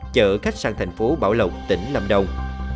chở khách sang thành phố bảo lộc tỉnh lâm đồng